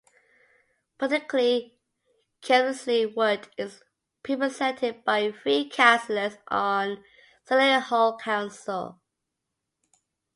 Politically, Chelmsley Wood is represented by three councillors on Solihull Council.